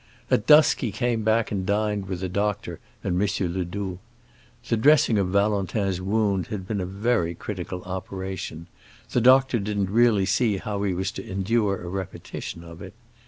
At dusk he came back and dined with the doctor and M. Ledoux. The dressing of Valentin's wound had been a very critical operation; the doctor didn't really see how he was to endure a repetition of it.